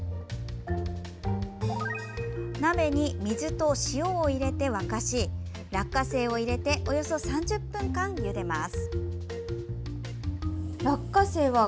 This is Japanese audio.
鍋に水と塩を入れて沸かし落花生を入れておよそ３０分間ゆでます。